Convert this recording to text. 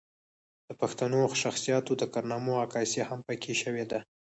د پښتنو شخصياتو د کارنامو عکاسي هم پکښې شوې ده